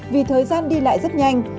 vì thời gian đi lại rất nhanh